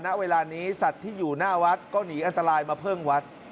ณเวลานี้สัตว์ที่อยู่หน้าวัดก็หนีอันตรายมาพึ่งวัด